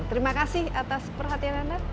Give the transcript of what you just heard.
terima kasih atas perhatian anda